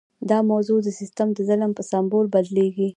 دا موضوع د سیستم د ظلم په سمبول بدلیږي.